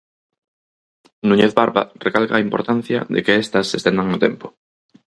Núñez Barba recalca a importancia de que estas se estendan no tempo.